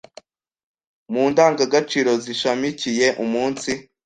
” Mu ndangagaciro zishamikiye umunsi